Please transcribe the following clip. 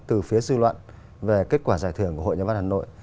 từ phía dư luận về kết quả giải thưởng của hội nhà văn hà nội